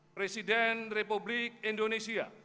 presiden republik indonesia